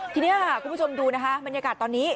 ทีนี้คุณผู้ชมดูนะคะบรรยากาศตอนนี้